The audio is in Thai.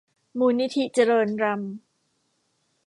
มูลนิธิเจริญรัมย์